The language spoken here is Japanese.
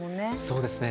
そうですね。